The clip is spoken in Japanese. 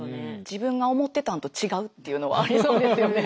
自分が思ってたんと違うっていうのはありそうですよね。